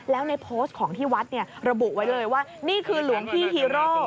แล้วในโพสต์ของที่วัดเนี่ยระบุไว้เลยว่านี่คือหลวงพี่ฮีโร่